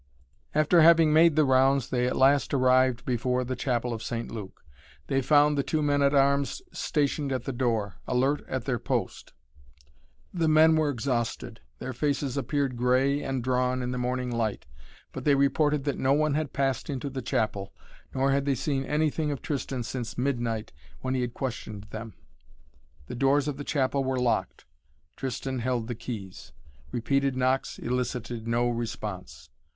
After having made the rounds they at last arrived before the chapel of St. Luke. They found the two men at arms stationed at the door, alert at their post. The men were exhausted; their faces appeared grey and drawn in the morning light, but they reported that no one had passed into the chapel, nor had they seen anything of Tristan since midnight, when he had questioned them. The doors of the chapel were locked. Tristan held the keys. Repeated knocks elicited no response.